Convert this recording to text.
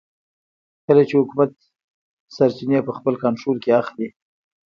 کله چې حکومت سرچینې په خپل کنټرول کې اخلي.